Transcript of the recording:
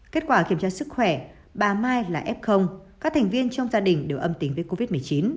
kết quả kiểm tra sức khỏe bà mai là f các thành viên trong gia đình đều âm tính với covid một mươi chín